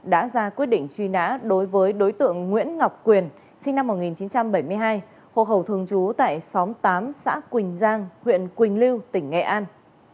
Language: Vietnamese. đã ra quyết định truy nã đối với đối tượng nguyễn ngọc quyền sinh năm một nghìn chín trăm bảy mươi hai hộ khẩu thường trú tại xóm tám xã quỳnh giang huyện quỳnh lưu tỉnh nghệ an